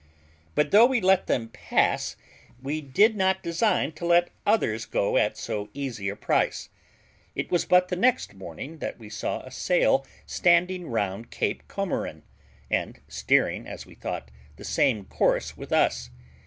But though we let them pass, we did not design to let others go at so easy a price. It was but the next morning that we saw a sail standing round Cape Comorin, and steering, as we thought, the same course with us.